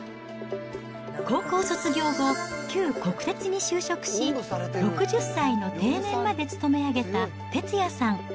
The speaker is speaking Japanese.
高校卒業後、旧国鉄に就職し、６０歳の定年まで勤め上げた哲也さん。